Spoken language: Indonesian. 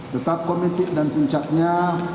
tetap komitik dan puncaknya